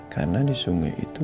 karena di sungai itu